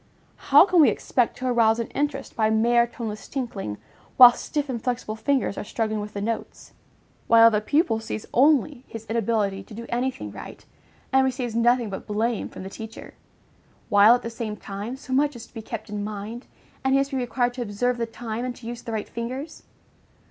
How can we expect to arouse an interest by mere toneless tinkling, while stiff, inflexible fingers are struggling with the notes; while the pupil sees only his inability to do any thing right, and receives nothing but blame from the teacher; while, at the same time, so much is to be kept in mind, and he must be required to observe the time, and to use the right fingers?